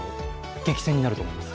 激戦になると思います。